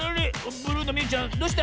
ブルーのみゆちゃんどうした？